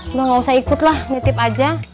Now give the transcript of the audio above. udah gak usah ikut lah mitip aja